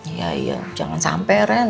iya iya jangan sampai ren